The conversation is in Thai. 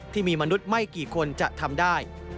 ที่มีมนุษย์ไม่กี่คนจะทำได้